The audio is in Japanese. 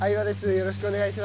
よろしくお願いします。